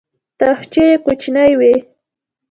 تاخچې یې کوچنۍ وې.